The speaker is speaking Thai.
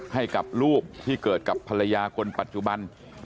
ให้กับลูกที่เกิดกับภรรยาคนปัจจุบัน